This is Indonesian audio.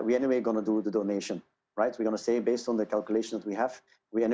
sekarang secara teknis bagaimana perjalanan ke pasukan ini